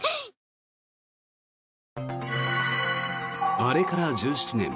あれから１７年。